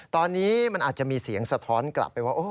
ตอนนี้มันอาจจะมีเสียงสะท้อนกลับไปว่า